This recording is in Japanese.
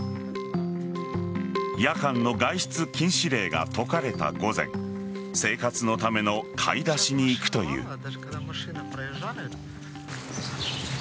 夜間の外出禁止令が解かれた午前生活のための買い出しに行くという。